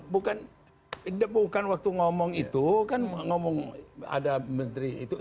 bukan waktu ngomong itu kan ngomong ada menteri itu